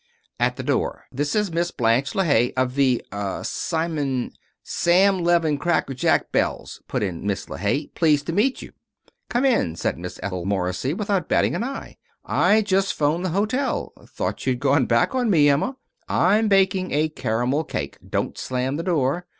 At the door "This is Miss Blanche LeHaye of the er Simon " "Sam Levin Crackerjack Belles," put in Miss LeHaye. "Pleased to meet you." "Come in," said Miss Ethel Morrissey without batting an eye. "I just 'phoned the hotel. Thought you'd gone back on me, Emma. I'm baking a caramel cake. Don't slam the door.